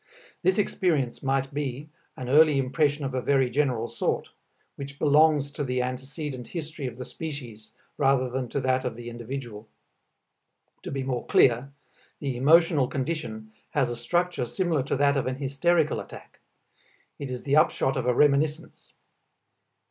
This experience might be an early impression of a very general sort, which belongs to the antecedent history of the species rather than to that of the individual. To be more clear: the emotional condition has a structure similar to that of an hysterical attack; it is the upshot of a reminiscence.